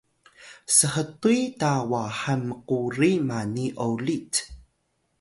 shtuy ta wahan mkuri mani olit